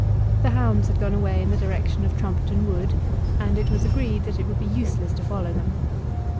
The hounds had gone away in the direction of Trumpeton Wood, and it was agreed that it would be useless to follow them.